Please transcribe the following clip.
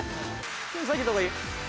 手下げた方がいい？